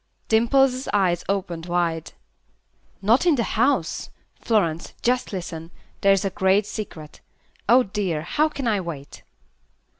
Dimple's eyes opened wide. "Not in the house? Florence, just listen. There is a great secret. Oh, dear, how can I wait?"